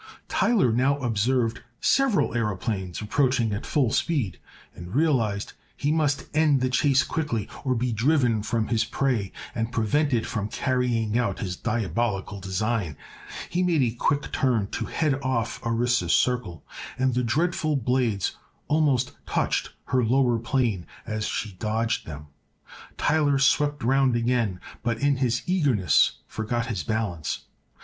Tyler now observed several aëroplanes approaching at full speed, and realized he must end the chase quickly or be driven from his prey and prevented from carrying out his diabolical design. He made a quick turn to head off Orissa's circle and the dreadful blades almost touched her lower plane as she dodged them. Tyler swept round again, but in his eagerness forgot his balance.